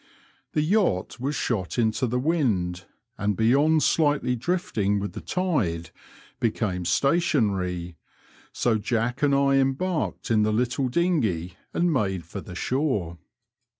The yacht was shot into the wind, and beyond slightly drifting with the tide, became stationary, so Jack and I embarked in the little dmghey and made for the shore.